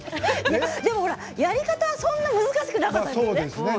やり方は、そんな難しくなかったですよね。